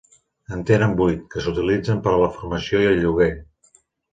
En tenen vuit, que s'utilitzen per a la formació i el lloguer.